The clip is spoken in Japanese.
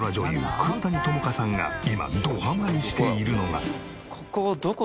黒谷友香さんが今どハマりしているのが。